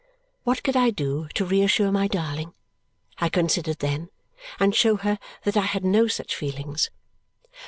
What could I do to reassure my darling (I considered then) and show her that I had no such feelings?